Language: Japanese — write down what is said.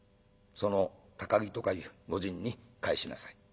その高木とかいう御仁に返しなさい。